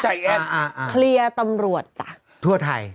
อ๋อใจแอ้นคลีย์ตำรวจจ้ะทั่วไทย